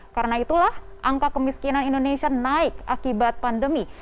karena itulah angka kemiskinan indonesia naik akibat pandemi